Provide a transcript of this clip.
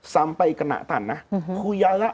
sampai kena tanah huyala